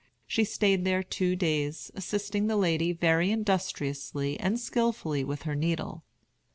She stayed there two days, assisting the lady very industriously and skilfully with her needle.